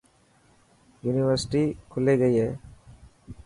يونيورسٽي کلي گئي هي.